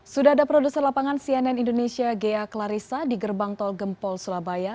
sudah ada produser lapangan cnn indonesia ghea klarissa di gerbang tol gempol surabaya